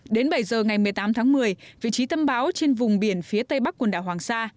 đến bảy giờ ngày một mươi tám tháng một mươi vị trí tâm bão trên vùng biển phía tây bắc quần đảo hoàng sa